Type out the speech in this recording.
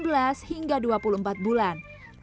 usia delapan belas hingga dua puluh empat bulan